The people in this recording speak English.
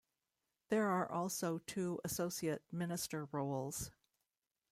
There are also two Associate Minister roles.